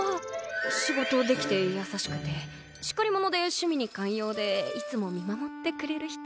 仕事できて優しくてしっかり者で趣味に寛容でいつも見守ってくれる人。